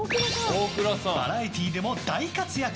バラエティーでも大活躍！